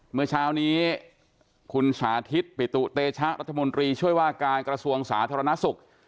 เมื่อเช้านี้คุณสาธิตปิตุเตชะรัฐมนตรีช่วยว่าการกระทรวงสาธารณสุข